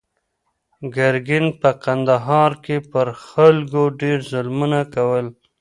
ګرګین په کندهار کې پر خلکو ډېر ظلمونه کول.